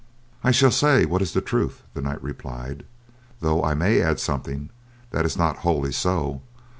"I shall say what is the truth," the knight replied, "though I may add something that is not wholly so.